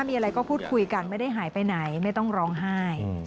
มีอะไรก็พูดคุยกันไม่ได้หายไปไหนไม่ต้องร้องไห้